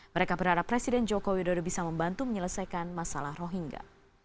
mereka berharap presiden joko widodo bisa membantu menyelesaikan masalah rohingya